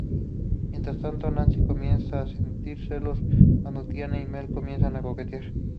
Mientras tanto, Nancy comienza a sentir celos cuando Tina y Mel comienzan a coquetear.